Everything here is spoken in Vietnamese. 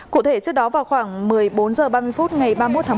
cụ thể trước đó vào khoảng một mươi bốn h ba mươi phút ngày ba mươi một tháng một